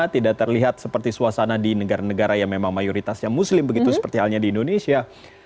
tidak terlihat seperti suasana di negara negara yang memang mayoritasnya muslim begitu seperti halnya di indonesia